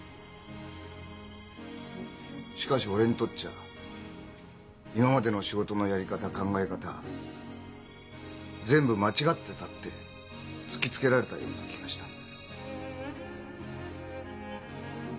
しかし俺にとっちゃ今までの仕事のやり方考え方全部間違ってたって突きつけられたような気がしたんだよ。